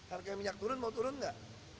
harga minyak turun mau turun nggak